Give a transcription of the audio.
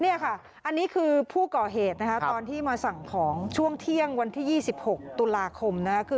นี่ค่ะอันนี้คือผู้ก่อเหตุตอนที่มาสั่งของช่วงเที่ยงวันที่๒๖ตุลาคม